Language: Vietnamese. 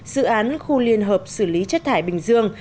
dự án khu liên hợp xử lý chất thải bình dương